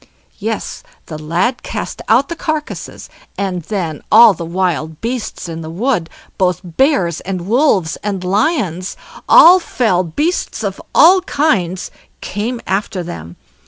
Yes! the lad cast out the carcasses, and then all the wild beasts in the wood, both bears, and wolves, and lions—all fell beasts of all kinds—came after them.